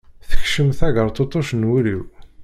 Tekcem tageṛṭeṭṭuct n wul-iw.